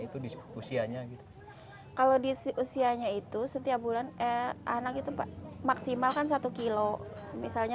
itu di usianya gitu kalau di usianya itu setiap bulan eh anak itu pak maksimalkan satu kilo misalnya